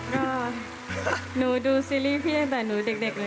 ก็หนูดูซีรีส์พี่ตั้งแต่หนูเด็กเลย